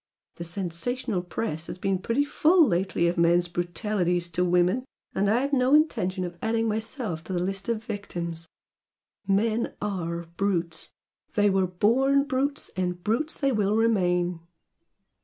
The sensational press has been pretty full lately of men's brutalities to women, and I've no intention of adding myself to the list of victims! Men ARE brutes! They were born brutes, and brutes they will remain!"